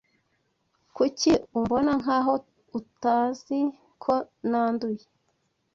Kuki umbona nkaho utzi ko nanduye